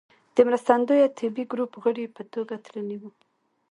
د مرستندويه طبي ګروپ غړي په توګه تللی و.